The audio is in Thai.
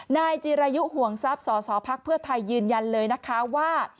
นายจีรายุห่วงทรัพย์สสพักเพื่อไทยยืนยันเลยนะคะว่า